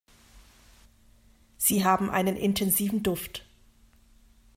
Sie haben einen intensiven Duft.